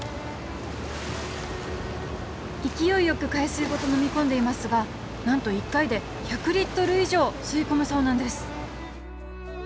勢いよく海水ごと飲み込んでいますが何と１回で１００リットル以上吸い込むそうなんです。